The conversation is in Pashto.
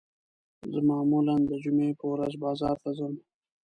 زه معمولاً د جمعې په ورځ بازار ته ځم